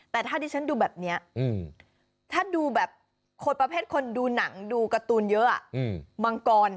แต่ถ้าดิฉันดูแบบนี้ถ้าดูแบบคนประเภทคนดูหนังดูการ์ตูนเยอะมังกร